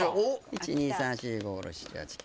１２３４５６７８９